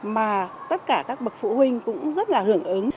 mà tất cả các bậc phụ huynh cũng rất là hưởng ứng